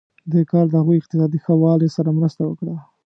دې کار د هغوی اقتصادي ښه والی سره مرسته وکړه.